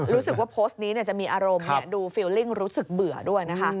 รู้สึกว่าโพสต์นี้จะมีอารมณ์ดูฟิลลิ่งรู้สึกเบื่อด้วยนะคะ